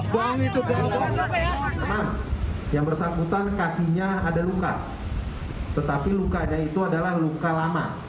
teman teman yang bersangkutan kakinya ada luka tetapi lukanya itu adalah luka lama